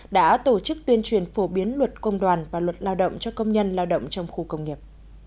đã tổ chức tuyên truyền phổ biến luật công đoàn và luật lao động cho công nhân lao động trong khu công nghiệp